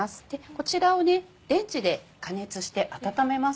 こちらをレンジで加熱して温めます。